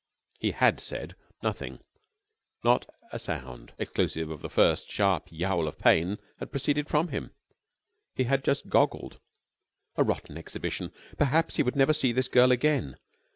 He had said nothing. Not a sound, exclusive of the first sharp yowl of pain, had proceeded from him. He had just goggled. A rotten exhibition! Perhaps he would never see this girl again.